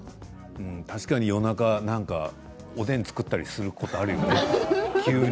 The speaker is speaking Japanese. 確かに夜中におでんを作ったりすること、あるよね急に。